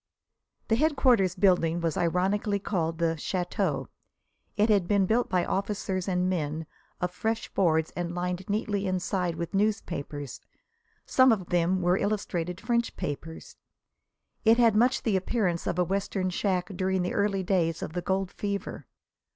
The headquarters building was ironically called the "château." It had been built by officers and men, of fresh boards and lined neatly inside with newspapers. Some of them were illustrated French papers. It had much the appearance of a Western shack during the early days of the gold fever.